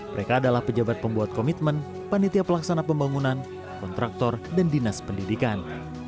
mereka adalah pejabat pembuat komitmen panitia pelaksana pembangunan kontraktor dan dinas pendidikan